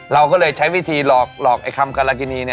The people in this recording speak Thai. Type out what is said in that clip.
เราก็เลยใช้วิธีหลอกครามกรกอีนิ